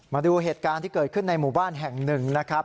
มาดูเหตุการณ์ที่เกิดขึ้นในหมู่บ้านแห่งหนึ่งนะครับ